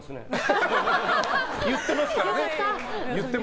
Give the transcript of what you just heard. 言ってますからね。